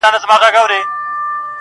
چا ته دم چا ته دوا د رنځ شفا سي-